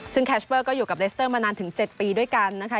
ซึ่งแคชเปอร์ก็อยู่กับเลสเตอร์มานานถึง๗ปีด้วยกันนะคะ